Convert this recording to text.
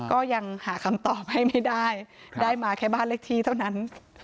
ก็ยังหาคำตอบให้ไม่ได้ได้มาแค่บ้านเลขที่เท่านั้น